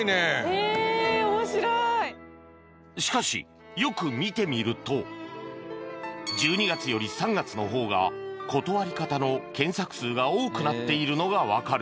しかしよく見てみると１２月より３月の方が断り方の検索数が多くなっているのがわかる